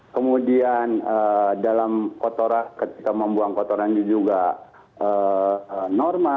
kemudian dalam kotoran ketika membuang kotoran juga normal